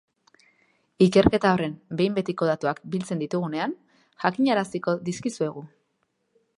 Ikerketa horren behin betiko datuak biltzen ditugunean, jakinaraziko dizkizuegu.